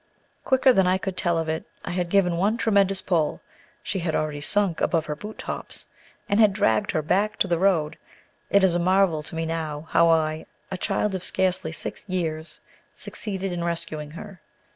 Quicker than I could tell of it, I had given one tremendous pull (she had already sunk above her boot tops), and had dragged her back to the road. It is a marvel to me now how I a child of scarcely six years succeeded in rescuing her.